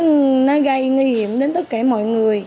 nó gây nguy hiểm đến tất cả mọi người